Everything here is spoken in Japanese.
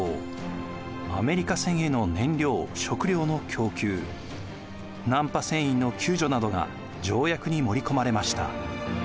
アメリカ船への燃料食料の供給難破船員の救助などが条約に盛り込まれました。